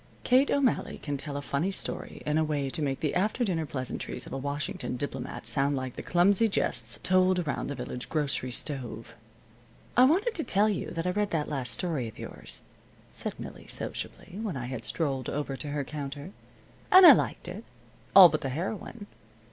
Kate O'Malley can tell a funny story in a way to make the after dinner pleasantries of a Washington diplomat sound like the clumsy jests told around the village grocery stove. "I wanted to tell you that I read that last story of yours," said Millie, sociably, when I had strolled over to her counter, "and I liked it, all but the heroine.